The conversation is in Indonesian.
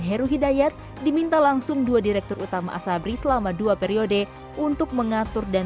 heru hidayat diminta langsung dua direktur utama asabri selama dua periode untuk mengatur dan